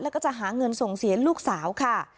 แล้วก็จะหาเงินส่งเสียลูกสาวค่ะ